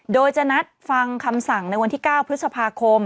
โดยจะนัดฟังคำสั่งในวันที่๙พฤษภาคม